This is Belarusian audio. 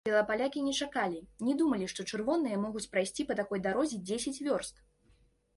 Белапалякі не чакалі, не думалі, што чырвоныя могуць прайсці па такой дарозе дзесяць вёрст!